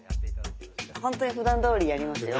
本当にふだんどおりやりますよ。